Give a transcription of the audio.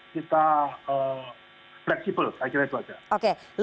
jadi kita luas kita fleksibel